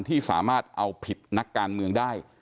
ที่สามารถเอาผิดนักการเมืองได้